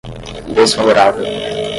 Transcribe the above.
desfavorável